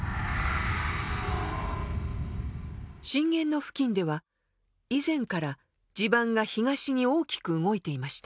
震源の付近では以前から地盤が東に大きく動いていました。